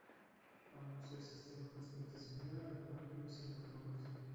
Ambos sexos tienen un aspecto similar, al igual que los inmaduros.